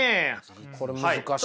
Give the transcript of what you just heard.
これ難しいよな。